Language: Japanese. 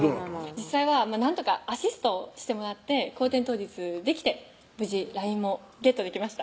実際はなんとかアシストをしてもらって後転倒立できて無事ＬＩＮＥもゲットできました